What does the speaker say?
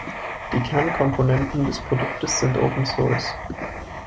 Die Kernkomponenten des Produktes sind Open Source.